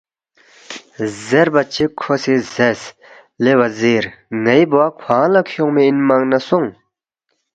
زیربا چِک کھو سی زیرس، ”لے وزیر ن٘ئی بوا کھوانگ لہ کھیونگمی اِنمنگ نہ سونگ